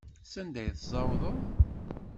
Sanda i tessawḍeḍ?